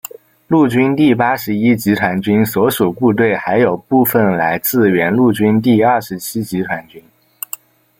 陆军第八十一集团军所属部队还有部分来自原陆军第二十七集团军。